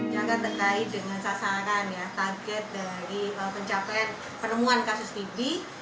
jangan terkait dengan sasaran ya target dari pencapaian penemuan kasus tb